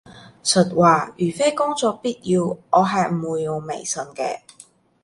實話，如非工作必要，我係唔會用微信嘅